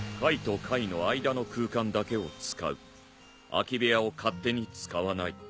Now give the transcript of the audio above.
空き部屋を勝手に使わない。